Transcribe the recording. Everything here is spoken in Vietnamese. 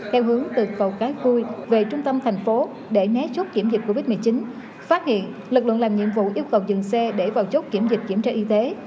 theo hướng từ cầu cái cui về trung tâm thành phố để né chốt kiểm dịch covid một mươi chín phát hiện lực lượng làm nhiệm vụ yêu cầu dừng xe để vào chốt kiểm dịch kiểm tra y tế